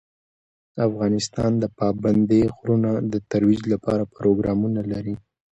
افغانستان د پابندی غرونه د ترویج لپاره پروګرامونه لري.